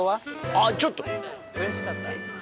あっちょっと！